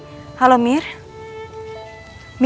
aku nanya kak dan rena